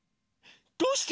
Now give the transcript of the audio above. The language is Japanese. どうして？